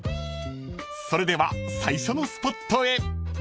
［それでは最初のスポットへ］